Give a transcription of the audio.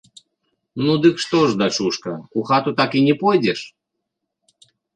Ну, дык што ж, дачушка, у хату так і не пойдзеш?